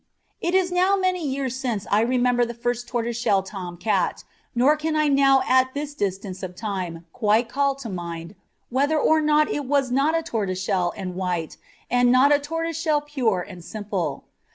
It is now many years since I remember the first "tortoiseshell tom cat;" nor can I now at this distance of time quite call to mind whether or not it was not a tortoiseshell and white, and not a tortoiseshell pure and simple.